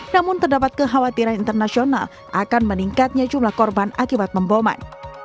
namun terdapat kekhawatiran internasional akan meningkatnya jumlah korban akibat memboman